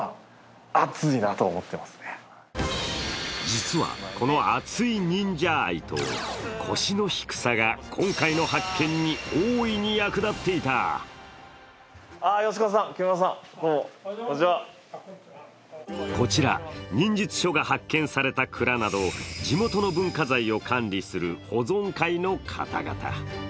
実は、この熱い忍者愛と腰の低さが今回の発見に、大いに役立っていたこちら、忍術書が発見された蔵など地元の文化財を管理する保存会の方々。